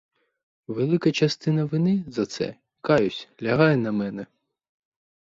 Велика частина вини за це, каюсь, лягає на мене.